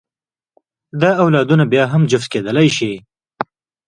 دا اولادونه بیا هم جفت کېدلی شي.